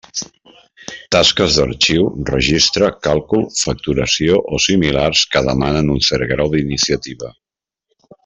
Tasques d'arxiu, registre, càlcul, facturació o similars que demanen un cert grau d'iniciativa.